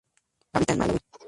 Habita en Malaui.